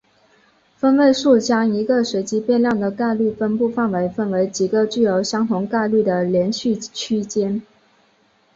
分位数将一个随机变量的概率分布范围分为几个具有相同概率的连续区间。